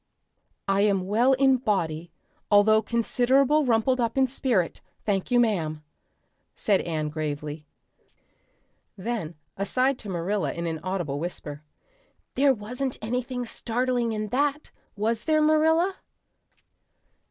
"I am well in body although considerable rumpled up in spirit, thank you ma'am," said Anne gravely. Then aside to Marilla in an audible whisper, "There wasn't anything startling in that, was there, Marilla?"